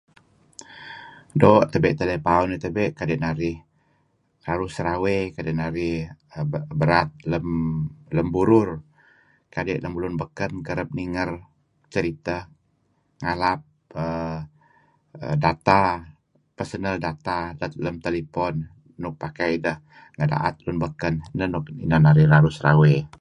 Doo' tabe' telepaun dih tabe' raruh sarawey narih berat lem burur kadi' lemulun baken uhm kereb ninger seriteh ngalap uhm data', personal data nuk lem talipon nuk pakai ideh negedaet lun baken neh nuk naru' narih narih raruh sarawey.